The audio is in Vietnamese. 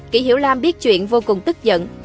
kỷ hiểu lam biết chuyện vô cùng tức giận